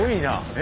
え？